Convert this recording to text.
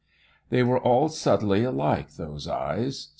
They were all subtly alike, those eyes.